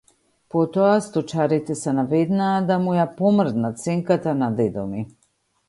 Потоа сточарите се наведнаа да му ја помрднат сенката на дедо ми.